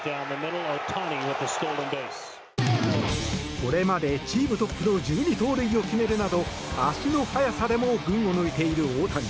これまでチームトップの１２盗塁を決めるなど足の速さでも群を抜いている大谷。